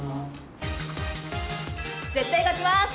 絶対勝ちます！